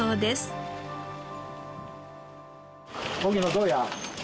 沖野どうや？